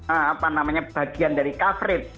apa namanya bagian dari coverage